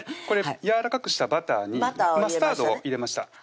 これやわらかくしたバターにマスタードを入れました